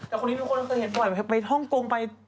แต่คนนี้เป็นคนเคยเห็นบ่อยไปฮ่องกงไป